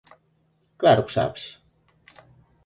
Claro que sabes.